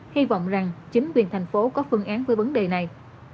hy vọng rằng chính quyền thành phố có phương án với vấn đề này